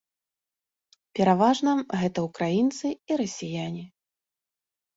Пераважна, гэта ўкраінцы і расіяне.